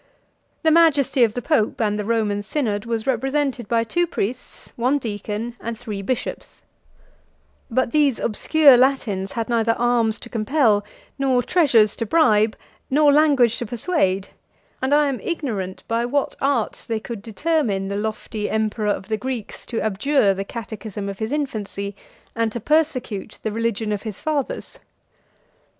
The majesty of the pope and the Roman synod was represented by two priests, one deacon, and three bishops; but these obscure Latins had neither arms to compel, nor treasures to bribe, nor language to persuade; and I am ignorant by what arts they could determine the lofty emperor of the Greeks to abjure the catechism of his infancy, and to persecute the religion of his fathers.